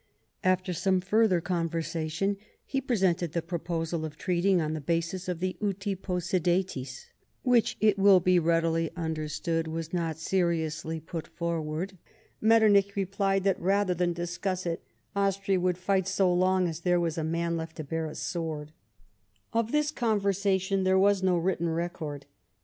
After some further conversation he presented the proposal of treating on the basis of the uti iwssidetis. To this claim, which, it will be readily understood, was not * Thiers: tome xi., pp. 255 8. 56 LIFE OF PRINCE METTERNICR. seriously put forward, IMetternich replied that rather than discuss it Austria would fioht so lono as there was a man left to bear a sword. Of this conversation there was no written record.